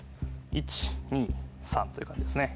１２３という感じですね。